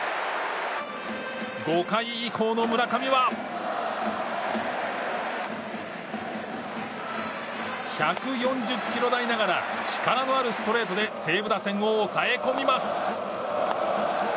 ５回以降の村上は１４０キロ台ながら力のあるストレートで西武打線を抑え込みます。